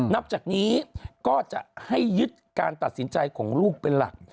นับจากนี้ก็จะให้ยึดการตัดสินใจของลูกเป็นหลัก